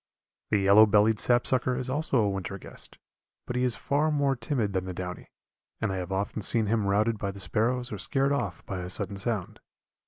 The yellow bellied sapsucker is also a winter guest, but he is far more timid than the downy, and I have often seen him routed by the sparrows or scared off by a sudden sound.